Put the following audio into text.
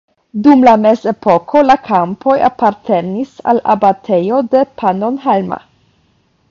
Dum la mezepoko la kampoj apartenis al abatejo de Pannonhalma.